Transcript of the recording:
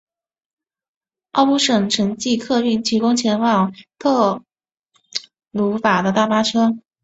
奥布省城际客运提供前往特鲁瓦的大巴车。